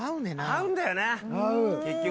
合うんだよね結局。